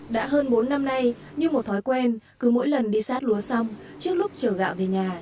đã hơn bốn năm nay như một thói quen cứ mỗi lần đi sát lúa xong trước lúc chở gạo về nhà